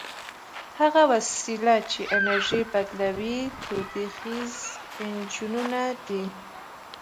هغه وسیلې چې انرژي بدلوي تودوخیز انجنونه دي.